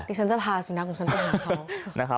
เดี๋ยวฉันจะพาสินัขของฉันไปหาเขา